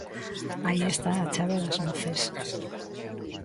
Aí está a chave das noces.